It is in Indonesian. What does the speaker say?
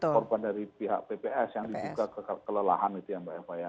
korban dari pihak pps yang dibuka kelelahan itu ya mbak eva ya